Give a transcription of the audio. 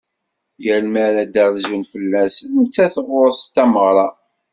Yal mi ara d-rzun fell-as, nettat ɣur-s d tameɣra.